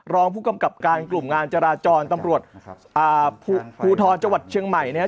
รองผู้กำกับการกลุ่มงานจราจรตำรวจภูทรจังหวัดเชียงใหม่นะครับ